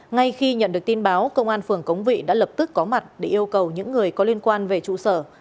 ngay khi nhận được tin báo công an phường cống vị đã lập tức có mặt để yêu cầu những người có liên quan về trụ sở